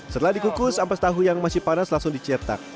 setelah dikukus ampas tahu yang masih panas langsung dicetak